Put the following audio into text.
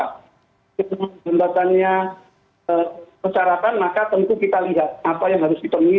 ketika hambatannya persyaratan maka tentu kita lihat apa yang harus dipenuhi